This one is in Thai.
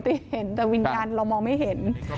เห็นแต่วิญญาณเรามองไม่เห็น